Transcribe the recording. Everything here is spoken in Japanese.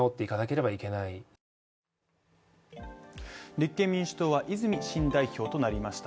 立憲民主党は、泉新代表となりました